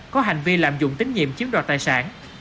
có hành vi lạm dụng tín nhiệm chiếm đoạt tài sản